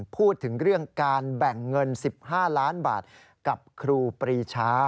พูดถึงเรื่องการแบ่งเงิน๑๕ล้านบาทกับครูปรีชา